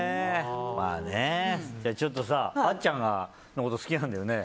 ちょっと、あっちゃんのこと好きなんだよね？